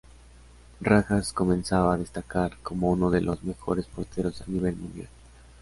Rojas comenzaba a destacar como uno de los mejores porteros a nivel mundial.